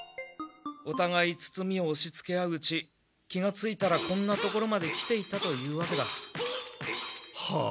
おたがいつつみをおしつけ合ううち気がついたらこんな所まで来ていたというわけだ。はあ。